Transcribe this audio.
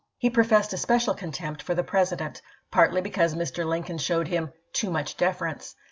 He professed pisi especial contempt for the President ; partly be cause Mr. Lincoln showed him "too much def ibid.,p.9i. erence."